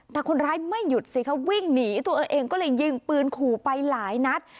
แต่คนร้ายไม่หยุดสิคะวิ่งหนีตัวเองก็เลยยิงปืนขู่ไปหลายนัด